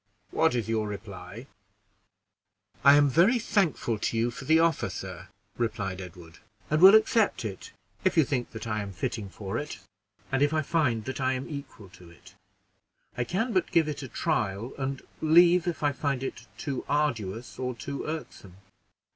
What is your reply?" "I am very thankful to you for the offer, sir," replied Edward, "and will accept it if you think that I am fitting for it, and if I find that I am equal to it; I can but give it a trial, and leave if I find it too arduous or too irksome."